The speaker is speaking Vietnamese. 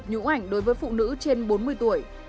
và nhũa ảnh đối với phụ nữ trên bốn mươi tuổi